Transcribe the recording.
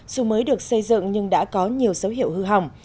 dù mới được xây dựng nhưng đã có nhiều dấu hiệu hư hỏng